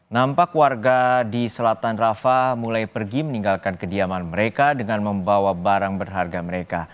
nampak warga di selatan rafa mulai pergi meninggalkan kediaman mereka dengan membawa barang berharga mereka